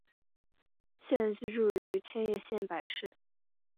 现居住于千叶县柏市。